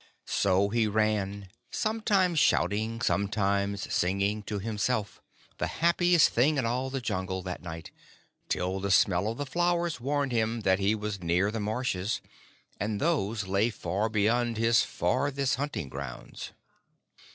So he ran, sometimes shouting, sometimes singing to himself, the happiest thing in all the Jungle that night, till the smell of the flowers warned him that he was near the marshes, and those lay far beyond his furthest hunting grounds.